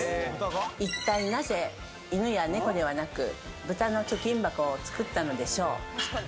一体なぜ犬や猫ではなく、豚の貯金箱を作ったのでしょう？